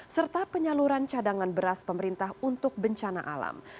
serta penyaluran cadangan beras pemerintah untuk bencana alam